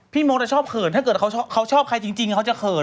พี่โม๊คแต่ชอบเขินถ้าเขาชอบใครจริงนี่เขาจะเผิน